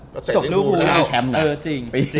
ก็เจ็ดลูกมูลแล้วจริง